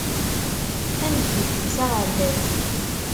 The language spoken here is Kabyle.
Ad neddukkel s aɣerbaz.